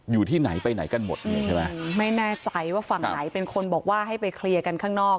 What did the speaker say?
อยู่ที่ไหนไปไหนกันหมดนี่ใช่ไหมไม่แน่ใจว่าฝั่งไหนเป็นคนบอกว่าให้ไปเคลียร์กันข้างนอก